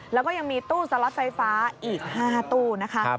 แล้วก็ยังมีตู้สล็อตไฟฟ้าอีก๕ตู้นะคะ